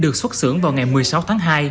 được xuất xưởng vào ngày một mươi sáu tháng hai